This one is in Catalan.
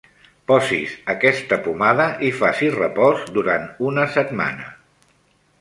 Posi's aquesta pomada i faci repòs durant una setmana.